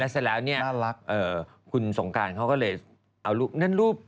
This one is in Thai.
แล้วเสร็จแล้วนี่คุณสงการเขาก็เลยเอารูป